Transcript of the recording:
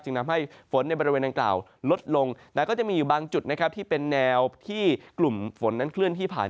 ทำให้ฝนในบริเวณดังกล่าวลดลงแต่ก็จะมีอยู่บางจุดนะครับที่เป็นแนวที่กลุ่มฝนนั้นเคลื่อนที่ผ่าน